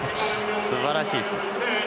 すばらしいですね。